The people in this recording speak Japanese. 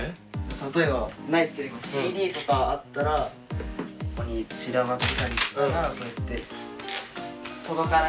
例えばないですけど今ＣＤとかあったらここに散らばってたりしたらこうやって。